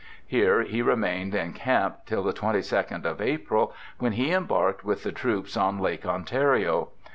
Here he remained in camp till the 22nd of April, when he embarked with the troops on Lake Ontario.